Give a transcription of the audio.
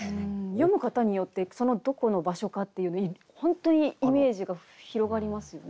詠む方によってどこの場所かっていう本当にイメージが広がりますよね。